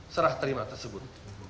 serah terima tersebut